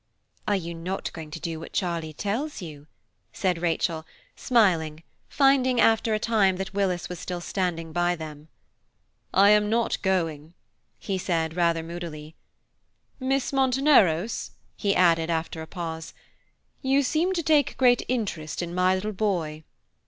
"Are you not going to do what Charlie tells you?" said Rachel, smiling, finding after a time that Willis was still standing by them. "I am not going," he said, rather moodily. "Miss Monteneros," he added after a pause, "you seem to take great interest in my little boy."